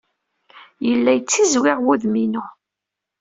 Yella yettizwiɣ wudem-inu.